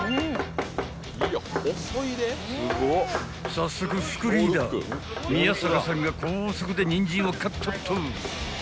［早速副リーダー宮坂さんが高速でニンジンをカットット］